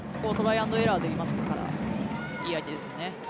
アンドエラーといいますかいい相手ですよね。